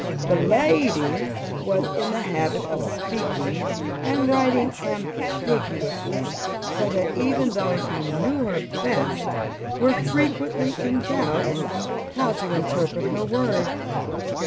That lady was in the habit of speaking and writing ambiguously, so that even those who knew her best were frequently in doubt how to interpret her words.